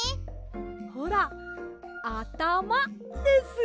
ほらあたまです。